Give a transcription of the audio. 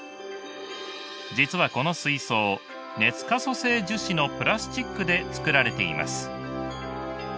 実はこの水槽熱可塑性樹脂のプラスチックで作られています。